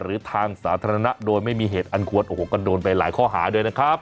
หรือทางสาธารณะโดยไม่มีเหตุอันควรโอ้โหก็โดนไปหลายข้อหาด้วยนะครับ